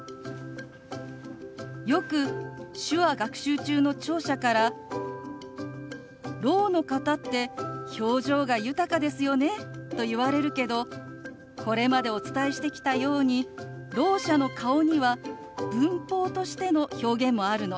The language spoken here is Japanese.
よく手話学習中の聴者から「ろうの方って表情が豊かですよね」と言われるけどこれまでお伝えしてきたようにろう者の顔には文法としての表現もあるの。